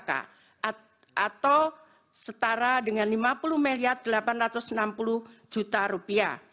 atau setara dengan rp lima puluh delapan ratus enam puluh